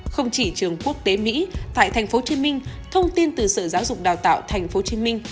không chỉ trường quốc tế mỹ tại tp hcm thông tin từ sở giáo dục đào tạo tp hcm